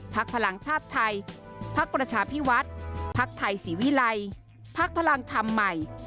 พลังชาติไทยพักประชาพิวัฒน์พักไทยศรีวิลัยพักพลังธรรมใหม่